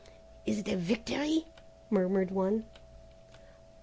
"Is it a victory?" murmured one.